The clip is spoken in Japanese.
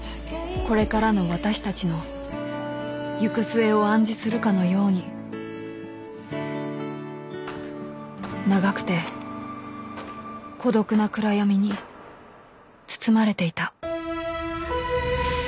［これからの私たちの行く末を暗示するかのように長くて孤独な暗闇に包まれていた］